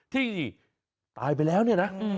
ที่ตายไปแล้วเนี่ยนะ